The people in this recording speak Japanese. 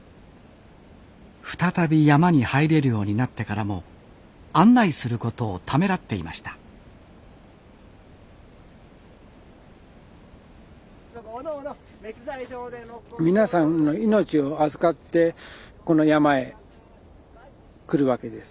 再び山に入れるようになってからも案内することをためらっていました皆さんの命を預かってこの山へ来るわけです。